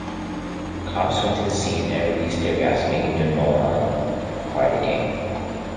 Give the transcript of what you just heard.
The cops went to the scene and released tear gas, making Mendiola quiet again.